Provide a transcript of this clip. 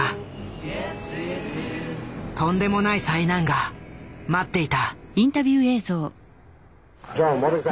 とんでもない災難が待っていた。